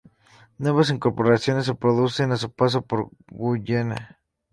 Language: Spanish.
Nuevas incorporaciones se producen a su paso por Guyena.